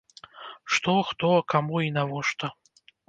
Што, хто, каму і навошта?